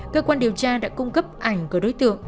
cơ quan điều tra đã cung cấp ảnh của đối tượng